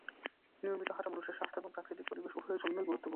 নিয়মিত হাঁটা মানুষের স্বাস্থ্য এবং প্রাকৃতিক পরিবেশ উভয়ের জন্যই গুরুত্বপূর্ণ।